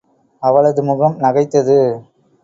அவளது முகம் நகைத்தது.